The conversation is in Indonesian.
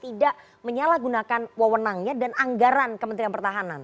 tidak menyalahgunakan wewenangnya dan anggaran kementerian pertahanan